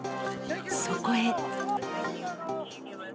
そこへ。